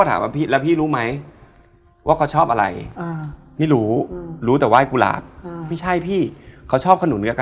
โอ้โฮน่ากลัวนะ